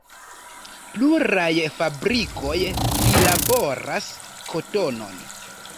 Pluraj fabrikoj prilaboras kotonon.